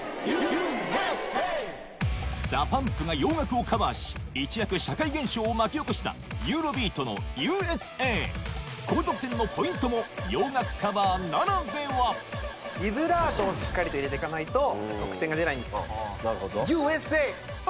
ＤＡＰＵＭＰが洋楽をカバーし一躍社会現象を巻き起こしたユーロビートの高得点のポイントも「洋楽カバー」ならではビブラートをしっかりと入れていかないと得点が出ないんです。